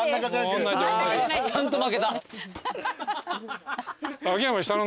ちゃんと負けた。